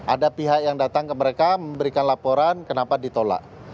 ada pihak yang datang ke mereka memberikan laporan kenapa ditolak